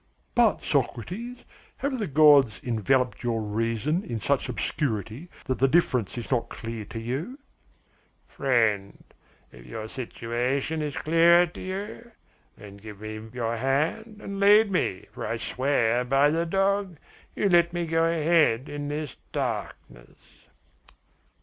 "But, Socrates, have the gods enveloped your reason in such obscurity that the difference is not clear to you?" "Friend, if your situation is clearer to you, then give me your hand and lead me, for I swear, by the dog, you let me go ahead in this darkness."